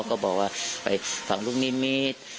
ก็บอกว่าไปฝั่งลูกนิมิตร